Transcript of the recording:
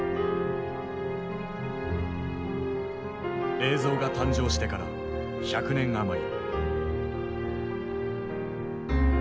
映像が誕生してから百年余り。